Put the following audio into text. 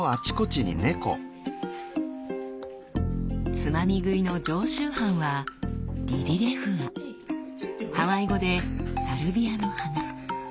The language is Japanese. つまみ食いの常習犯はハワイ語で「サルビアの花」。